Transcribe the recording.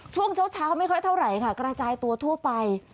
ช่วงเช้าไม่ค่อยเท่าไหร่ค่ะกระจายตัวทั่วไป